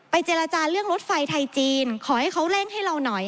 เจรจาเรื่องรถไฟไทยจีนขอให้เขาเร่งให้เราหน่อย